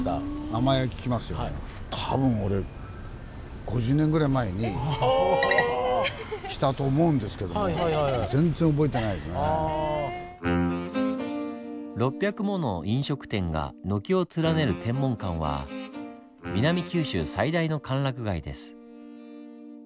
名前は聞きますよね。来たと思うんですけども６００もの飲食店が軒を連ねる天文館は南九州最大の歓楽街です。